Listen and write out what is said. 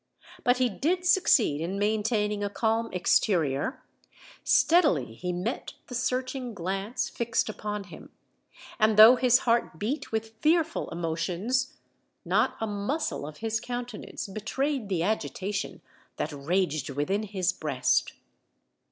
But he did succeed in maintaining a calm exterior:—steadily he met the searching glance fixed upon him;—and though his heart beat with fearful emotions, not a muscle of his countenance betrayed the agitation that raged within his breast.